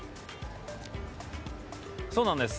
そうなんです。